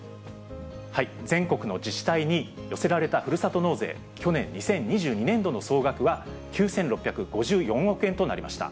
全国の自治体に寄せられたふるさと納税、去年・２０２２年度の総額は９６５４億円となりました。